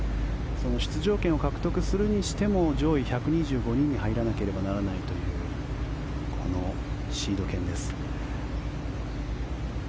出場権を獲得するにしても上位１２５人に入らなければならないというこのシード権です。